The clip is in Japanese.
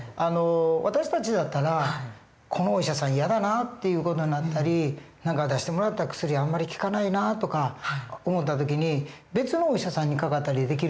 私たちだったら「このお医者さん嫌だな」っていう事になったり「何か出してもらった薬あんまり効かないな」とか思った時に別のお医者さんにかかったりできるじゃないですか。